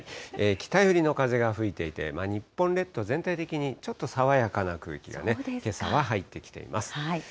北寄りの風が吹いていて、日本列島、全体的にちょっと爽やかな空気がね、けさは入ってきています。